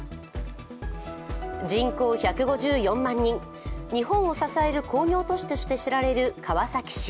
人口１５４万人、日本を支える工業都市として知られる川崎市。